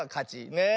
ねえ。